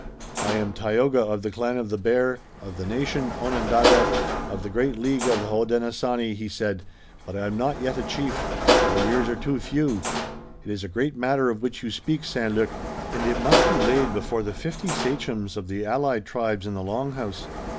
"I am Tayoga, of the clan of the Bear, of the nation Onondaga, of the great League of the Hodenosaunee," he said, "but I am not yet a chief. My years are too few. It is a great matter of which you speak, St. Luc, and it must be laid before the fifty sachems of the allied tribes in the Long House.